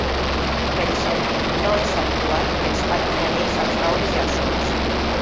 Per exemple, no és habitual que els faltin anells als roures i als oms.